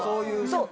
そう！